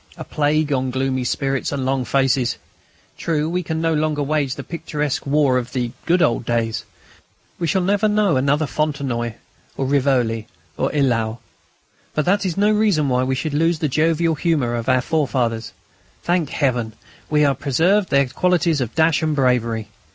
A plague on gloomy spirits and long faces! True, we can no longer wage the picturesque war of the "good old days." We shall never know another Fontenoy, or Rivoli, or Eylau. But that is no reason why we should lose the jovial humour of our forefathers. Thank Heaven! we have preserved their qualities of dash and bravery.